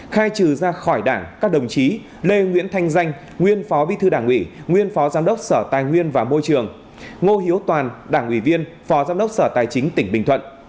khai trừ ra khỏi đảng các đồng chí lê nguyễn thanh danh nguyên phó bí thư đảng ủy nguyên phó giám đốc sở tài nguyên và môi trường ngô hiếu toàn đảng ủy viên phó giám đốc sở tài chính tỉnh bình thuận